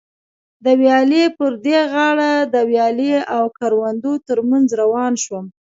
د ویالې پر دې غاړه د ویالې او کروندو تر منځ روان شوم.